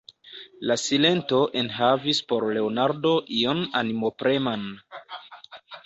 La silento enhavis por Leonardo ion animopreman.